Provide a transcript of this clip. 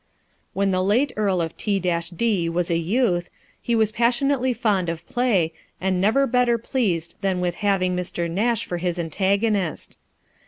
1 When the late Earl of T d was a youth, he was passionately fond of play, and never better pleased than with having Mr. Nash for his antagonist.